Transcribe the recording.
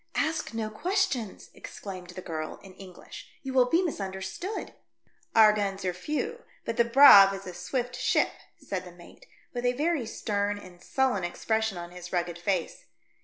"Ask no questions," exclaimed the girl in English. "You will be misunderstood." "Our guns are few, but the Braave is a swift ship," said the mate, with a very stern and sullen expression on his rugged face.